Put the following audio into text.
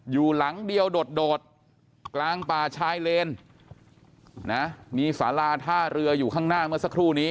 อยู่หลังเดียวโดดกลางป่าชายเลนนะมีสาราท่าเรืออยู่ข้างหน้าเมื่อสักครู่นี้